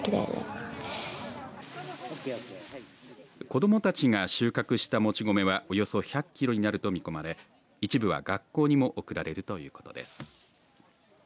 子どもたちが収穫した、もち米はおよそ１００キロになると見込まれ一部は学校にも贈られるということです。